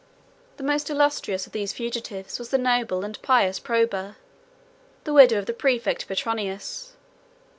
The most illustrious of these fugitives was the noble and pious Proba, 113 the widow of the præfect Petronius.